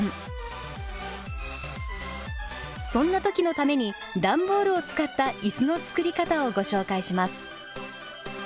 そんな時のために段ボールを使った椅子の作り方をご紹介します。